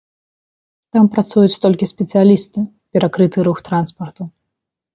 Там працуюць толькі спецыялісты, перакрыты рух транспарту.